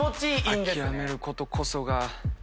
「あきらめることこそが」